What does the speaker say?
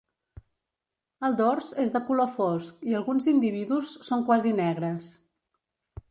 El dors és de color fosc i alguns individus són quasi negres.